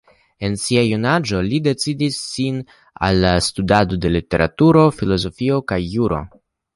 En sia junaĝo li dediĉis sin al la studado de literaturo, filozofio kaj juro.